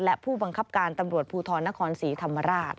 และผู้บังคับการตำรวจภูทรนครศรีธรรมราช